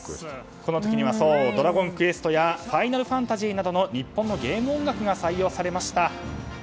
この時には「ドラゴンクエスト」や「ファイナルファンタジー」など日本のゲーム音楽が採用されました。